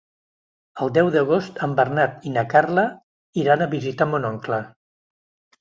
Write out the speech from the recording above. El deu d'agost en Bernat i na Carla iran a visitar mon oncle.